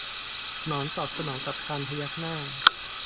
หนอนตอบสนองกับการพยักหน้า